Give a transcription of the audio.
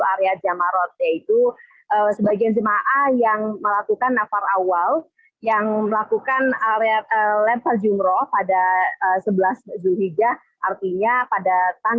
area jamarot yaitu sebagian jemaah yang melakukan nafar awal yang melakukan area lempar jumroh pada